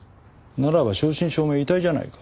ならば正真正銘遺体じゃないか。